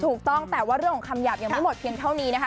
ถูกต้องแต่ว่าเรื่องของคำหยาบยังไม่หมดเพียงเท่านี้นะคะ